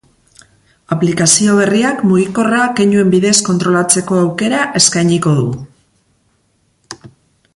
Aplikazio berriak mugikorra keinuen bidez kontrolatzeko aukera eskainiko du.